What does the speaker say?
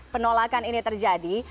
penolakan ini terjadi